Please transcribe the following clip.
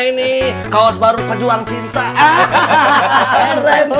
ini kaos baru baru ini kalau kamu mau panggil saya bro kalau bisa warna ditambah lagi kuningnya